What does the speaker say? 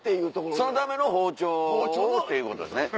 そのための包丁をってことですね。